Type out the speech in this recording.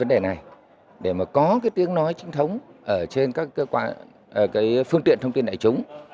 cái vấn đề này để mà có cái tiếng nói trinh thống trên các phương tiện thông tin đại chúng